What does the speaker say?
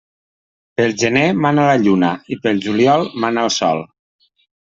Pel gener mana la lluna i pel juliol mana el sol.